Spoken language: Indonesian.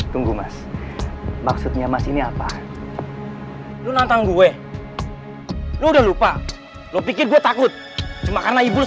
tunggu mas maksudnya masih apa lu nantang gue udah lupa lo pikir gue takut cuma karena ibu